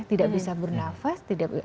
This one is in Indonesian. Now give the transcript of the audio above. tidak bisa bernafas tidak